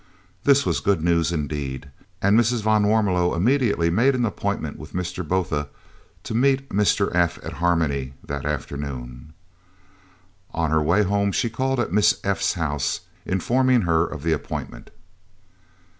This was good news indeed, and Mrs. van Warmelo immediately made an appointment with Mr. Botha to meet Mr. F. at Harmony that afternoon. On her way home she called at Miss F.'s house, informing her of the appointment.